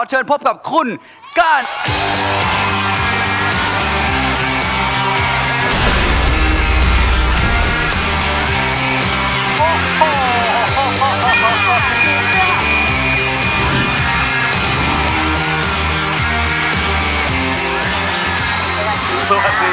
ถ้าพร้อมแล้วเจอกับคุณพอร์ชได้เลย